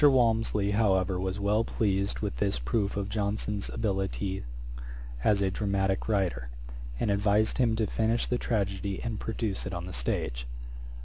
Walmsley, however, was well pleased with this proof of Johnson's abilities as a dramatick writer, and advised him to finish the tragedy, and produce it on the stage.